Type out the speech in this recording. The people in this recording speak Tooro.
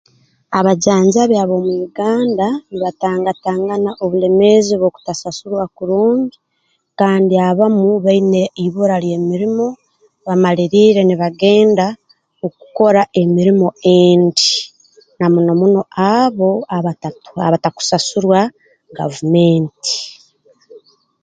Abajanjabi ab'omu Uganda nibatangatangana obulemeezi obw'okutasurwa kurungi kandi abamu baine ibura ly'emirimo bamaliriire nibagenda okukora emirimo endi na muno muno abo abata abatakusasurwa gavumenti